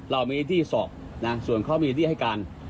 เรามีอิทธิสอบส่วนเขามีอิทธิให้การ